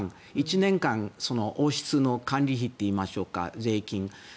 １年間、王室の管理費といいましょうか、税金。